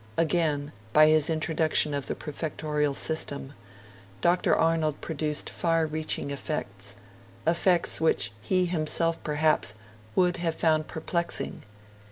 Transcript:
Again, by his introduction of the prefectorial system, Dr. Arnold produced far reaching effects effects which he himself, perhaps, would have found perplexing.